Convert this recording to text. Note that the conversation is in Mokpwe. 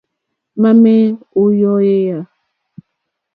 Mamɛ̀ o yɔ̀eyà e?